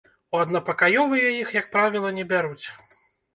У аднапакаёвыя іх, як правіла, не бяруць.